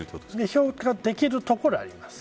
評価できるというところはあります。